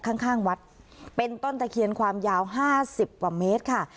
ข้างข้างวัดเป็นต้นตะเคียนความยาวห้าสิบกว่าเมตรค่ะ